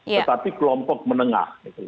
ya tetapi kelompok menengah